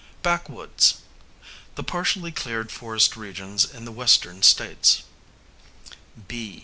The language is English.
Backwoods, the partially cleared forest regions in the western States.